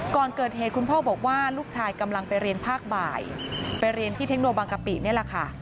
ก่อนเกิดเหตุคุณพ่อบอกว่าลูกชายกำลังไปเรียนภาคบ่ายไปเรียนที่เทคโนบางกะปินี่แหละค่ะ